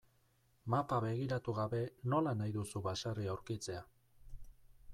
Mapa begiratu gabe nola nahi duzu baserria aurkitzea?